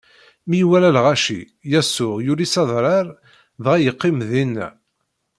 Mi iwala lɣaci, Yasuɛ yuli s adrar dɣa yeqqim dinna.